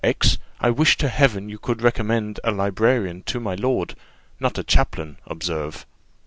X , I wish to heaven you could recommend a librarian to my lord not a chaplain, observe."